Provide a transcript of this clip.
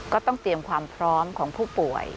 ก็ต้องเตรียมความพร้อมของผู้ป่วย